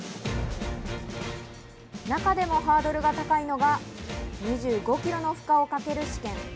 中でもハードルが高いのが、２５キロの負荷をかける試験。